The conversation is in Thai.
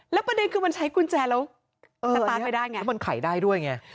และประเด็นควรกินเป้างุญแจสามารถกลายทาง